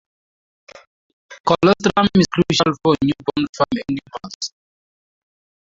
Colostrum is crucial for newborn farm animals.